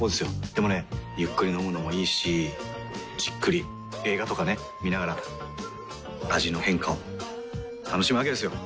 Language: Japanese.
でもねゆっくり飲むのもいいしじっくり映画とかね観ながら味の変化を楽しむわけですよ。